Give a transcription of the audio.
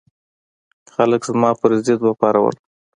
خلک زما پر ضد وپارول.